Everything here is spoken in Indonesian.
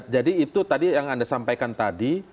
jadi itu tadi yang anda sampaikan tadi